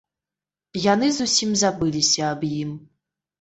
Яны зусім забыліся аб ім.